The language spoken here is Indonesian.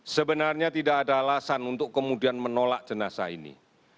sebenarnya tidak ada alasan untuk kemudian menolak jenazah ini